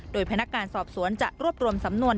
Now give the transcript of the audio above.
โดยพนักงานสอบสวนจะรวบรวมสำนวน